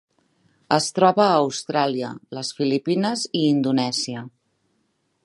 Es troba a Austràlia, les Filipines i Indonèsia.